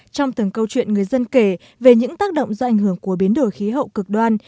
trong từng câu chuyện người dân kể về những tác động do ảnh hưởng của biến đổi khí hậu cực đoan